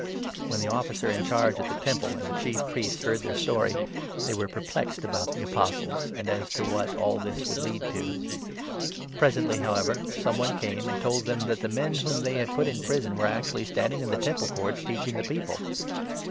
When the Officer in 24 charge at the Temple and the Chief Priests heard their story, they were perplexed about the Apostles and as to what all this would lead to. Presently, however, some one came and 25 told them, that the men whom they had put in prison were ac tually standing in the Temple Courts, teaching the people.